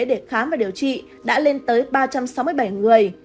để khám và điều trị đã lên tới ba trăm sáu mươi bảy người